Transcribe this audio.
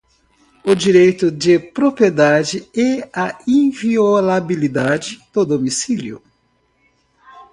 o direito de propriedade e a inviolabilidade do domicílio